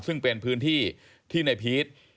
ซึ่งเป็นพื้นที่ที่ในพีช